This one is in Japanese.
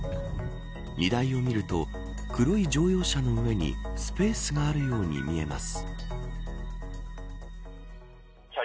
荷台を見ると黒い乗用車の上にスペースがあるように見えます。